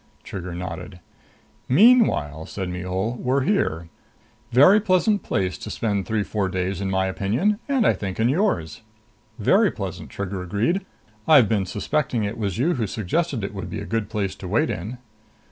Trigger nodded. "Meanwhile," said Mihul, "we're here. Very pleasant place to spend three four days in my opinion, and I think, in yours." "Very pleasant," Trigger agreed. "I've been suspecting it was you who suggested it would be a good place to wait in."